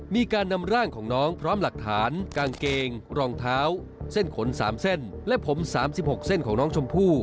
มีการนำร่างของน้องพร้อมหลักฐานกางเกงรองเท้าเส้นขน๓เส้นและผม๓๖เส้นของน้องชมพู่